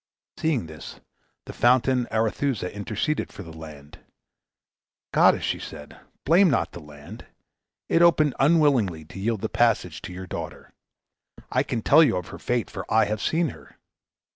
Seeing this, the fountain Arethusa interceded for the land. "Goddess," said she, "blame not the land; it opened unwillingly to yield a passage to your daughter. I can tell you of her fate, for I have seen her.